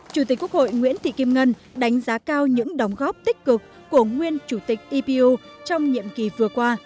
chủ tịch quốc hội nguyễn thị kim ngân đánh giá cao những đóng góp tích cực của nguyên chủ tịch ipu trong nhiệm kỳ vừa qua